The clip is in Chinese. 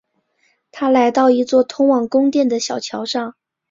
他来到一座通往宫殿的小桥上。